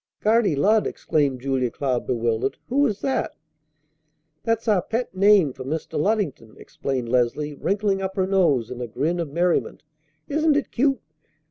"Guardy Lud!" exclaimed Julia Cloud bewildered. "Who is that?" "That's our pet name for Mr. Luddington," explained Leslie, wrinkling up her nose in a grin of merriment. "Isn't it cute?